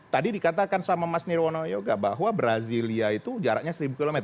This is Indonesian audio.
tadi dikatakan sama mas nirwono yoga bahwa brazilia itu jaraknya seribu km